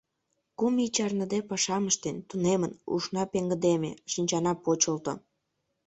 Кум ий чарныде пашам ыштен, тунемын, ушна пеҥгыдеме, шинчана почылто.